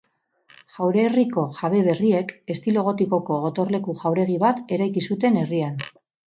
Jaurerriko jabe berriek, estilo gotikoko gotorleku-jauregi bat eraiki zuten herrian.